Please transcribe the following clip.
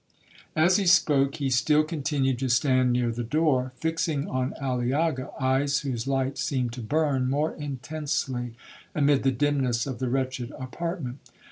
'As he spoke, he still continued to stand near the door, fixing on Aliaga eyes whose light seemed to burn more intensely amid the dimness of the wretched apartment.